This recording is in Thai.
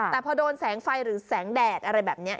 แต่พอโดนแสงไฟหรือแสงแดดอะไรแบบนี้